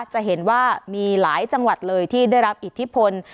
จะเห็นว่ามีหลายจังหวัดเลยที่ได้รับอิทธิพล